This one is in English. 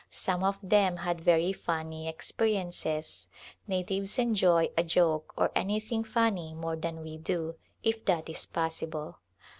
Some of them had very funny experiences. Natives enjoy a joke or anything funny more than we do, if that is possible.